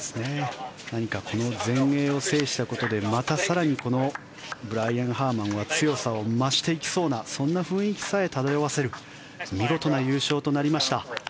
何かこの全英を制したことでまた更にこのブライアン・ハーマンは強さを増していきそうなそんな雰囲気さえ漂わせる見事な優勝となりました。